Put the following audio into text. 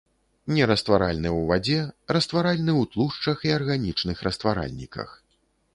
Нерастваральны ў вадзе, растваральны ў тлушчах і арганічных растваральніках.